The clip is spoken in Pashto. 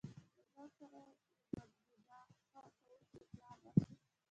له ځانه سره یې بنګېده: ښه که اوس دې پلار راشي.